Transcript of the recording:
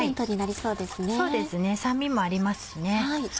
そうですね酸味もありますしね。